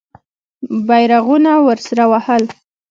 بیرغونه ورسره وهل.